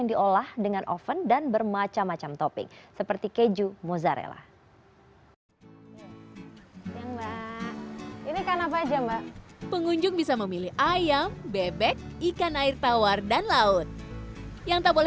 nggak ada biaya tambahan untuk sambalnya